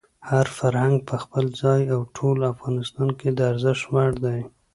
هر فرهنګ په خپل ځای او ټول افغانستان کې د ارزښت وړ دی.